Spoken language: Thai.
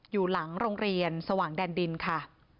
อยู่หลังโรงเรียนสว่างแดนดินค่ะ